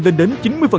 lên đến chín mươi